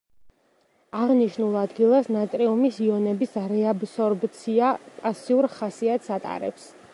აღნიშნულ ადგილას ნატრიუმის იონების რეაბსორბცია პასიურ ხასიათს ატარებს.